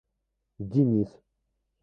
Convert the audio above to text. Денис